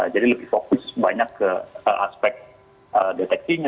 jadi lebih fokus banyak ke aspek deteksinya